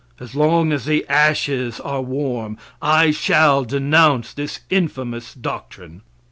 As long as the ashes are warm, I shall denounce this infamous doctrine.